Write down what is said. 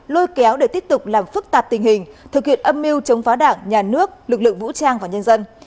lôi kéo để tiếp tục làm phức tạp tình hình thực hiện âm mưu chống phá đảng nhà nước lực lượng vũ trang và nhân dân